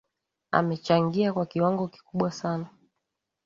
amechangia kwa kiwango kikubwa sana